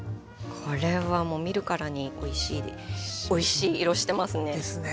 これはもう見るからにおいしい色してますね。ですね。